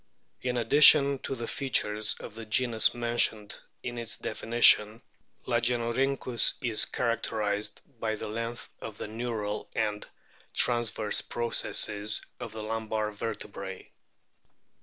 In addition to the features of the genus mentioned in its definition, Lagenorhynchus is characterised by the length of the neural and transverse processes of the lumbar vertebrae.